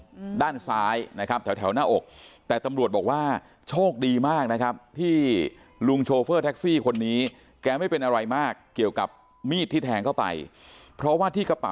อืมด้านซ้ายนะครับแถวแถวหน้าอกแต่ตำรวจบอกว่าโชคดีมากนะครับ